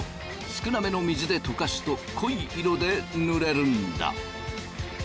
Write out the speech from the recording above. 少なめの水で溶かすと濃い色で塗れるんだ。